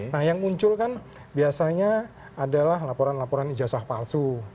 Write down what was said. nah yang muncul kan biasanya adalah laporan laporan ijazah palsu